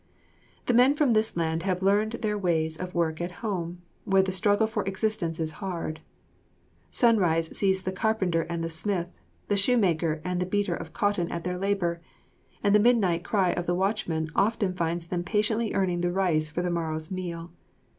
The men from this land have learned their ways of work at home, where the struggle for existence is hard. Sunrise sees the carpenter and the smith, the shoemaker and the beater of cotton at their labour, and the mid night cry of the watchman often finds them patiently earning the rice for the morrow's meal.